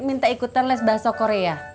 minta ikutan les bahasa korea